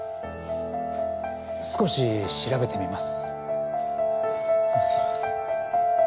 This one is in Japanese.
少し調べてみます。